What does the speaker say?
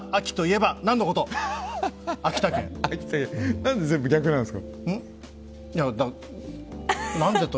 なんで全部逆なんですか？